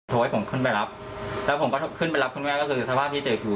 โทรให้ผมขึ้นไปรับแล้วผมขึ้นมารับคุณแม่คือสภาพที่เจอผิว